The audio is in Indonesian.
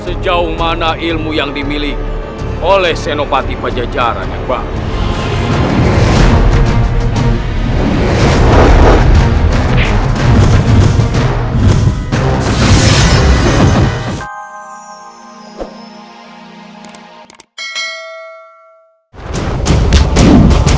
sejauh mana ilmu yang dimiliki oleh senopati pajajaran yang baru